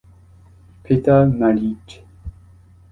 Petar Marić